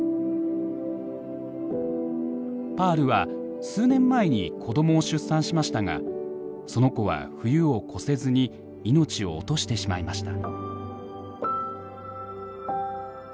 パールは数年前に子どもを出産しましたがその子は冬を越せずに命を落としてしまいました。